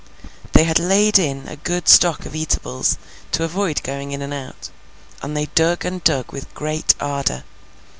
They had laid in a good stock of eatables, to avoid going in and out, and they dug and dug with great ardour.